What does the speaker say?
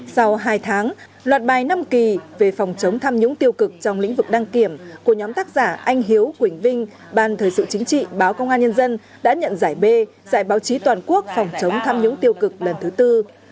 sau hai tháng loạt bài năm kỳ về phòng chống tham nhũng tiêu cực trong lĩnh vực đăng kiểm của nhóm tác giả anh hiếu quỳnh vinh ban thời sự chính trị báo công an nhân dân đã nhận giải b giải báo chí toàn quốc phòng chống tham nhũng tiêu cực lần thứ tư